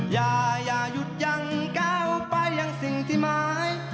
อย่าหยุดยังก้าวไปยังสิ่งที่หมาย